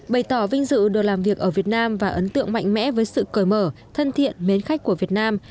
bày tỏ vinh dự được làm việc ở việt nam và ấn tượng mạnh mẽ với sự cởi mở thân thiện mến khách của việt nam